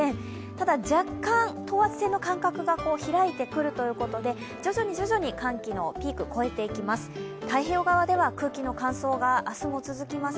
ただ、若干、等圧線の間隔が開いてくるということで徐々に徐々に寒気のピーク越えていきます。